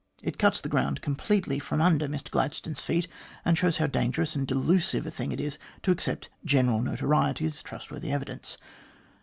It cuts the ground completely from under Mr Gladstone's feet, and shows how dangerous and delusive a thing it is to accept "general notoriety" as trustworthy evidence.